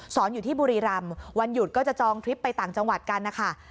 อยู่ที่บุรีรำวันหยุดก็จะจองทริปไปต่างจังหวัดกันนะคะ